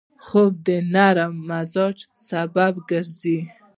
خوب د نرم مزاج سبب کېږي